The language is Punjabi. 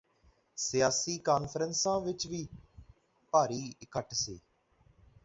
ਸਿਆਸੀ ਕਾਨਫਰੰਸਾਂ ਵਿਚ ਵੀ ਭਾਰੀ ਇਕੱਠ ਸੀ